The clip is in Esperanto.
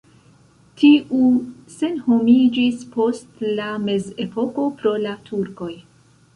Tiu senhomiĝis post la mezepoko pro la turkoj.